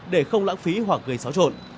để không lãng phí hoặc gây xóa trộn